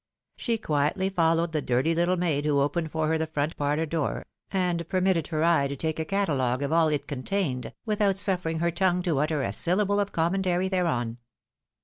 She quietly followed the dirty Uttle maid who opened for her the front parlour door and permitted her eye to take a catalogue of all it contained, with out suffering her tongue to utter a syllable of commentary thereon.